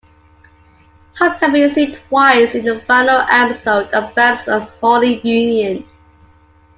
Pop can be seen twice in the final episode of "Bam's Unholy Union".